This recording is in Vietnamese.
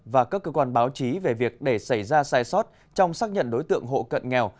và các cơ quan báo chí về việc để xảy ra sai sót trong xác nhận đối tượng hộ cận nghèo